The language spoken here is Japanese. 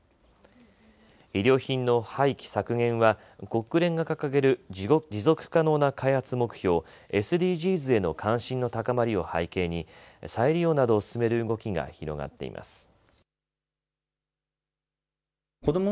衣料品の廃棄削減は国連が掲げる持続可能な開発目標ＳＤＧｓへの関心の高まりを背景に再利用などを進める動きが広がっています。